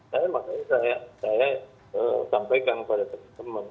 saya makanya saya saya sampaikan kepada pak prabowo